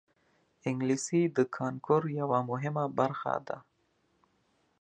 انګلیسي د کانکور یوه مهمه برخه ده